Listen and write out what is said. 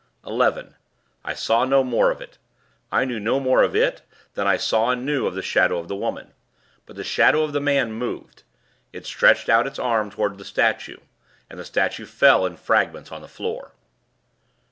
"11. I saw no more of it; I knew no more of it than I saw and knew of the shadow of the woman. But the shadow of the man moved. It stretched out its arm toward the statue; and the statue fell in fragments on the floor.